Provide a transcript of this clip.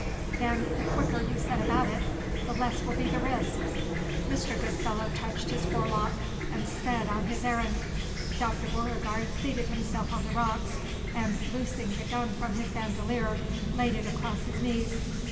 Then the quicker you set about it, the less will be the risk." Mr. Goodfellow touched his forelock, and sped on his errand. Dr. Beauregard seated himself on the rocks, and loosing the gun from his bandolier, laid it across his knees.